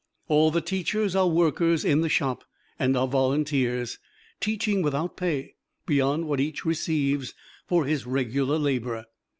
All the teachers are workers in the Shop, and are volunteers, teaching without pay, beyond what each receives for his regular labor.